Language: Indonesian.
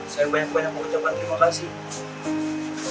saya banyak banyak mengucapkan terima kasih